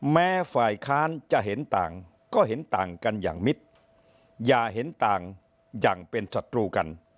แม้ฝ่ายค้านจะเห็นต่างก็เห็นต่างกันอย่างมิตรอย่าเห็นต่างอย่างเป็นศัตรูกัน